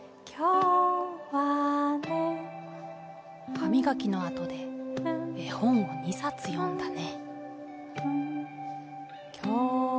歯磨きのあとで絵本を２冊読んだね。